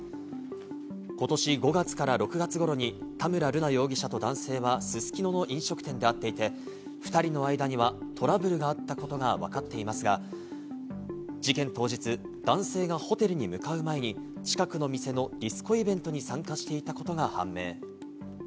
ことし５月から６月ごろに田村瑠奈容疑者と男性は、すすきのの飲食店で会っていて、２人の間にはトラブルがあったことがわかっていますが、事件当日、男性がホテルに向かう前に近くの店のディスコイベントに参加していたことが判明。